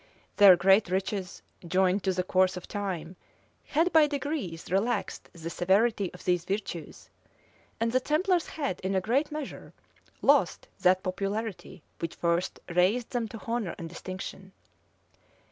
Their great riches, joined to the course of time, had, by degrees, relaxed the severity of these virtues; and the templars had, in a great measure, lost that popularity which first raised them to honor and distinction.